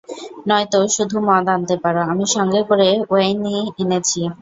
নয়তো, শুধু মদ আনতে পারো, আমি সঙ্গে করে ওয়েইনি এনেছি।